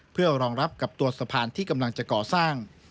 เพื่อรองรับกับตัวสะพานที่กำลังจะก่อสร้าง